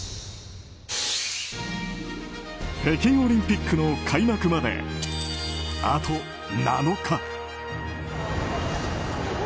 北京オリンピックの開幕まであと７日。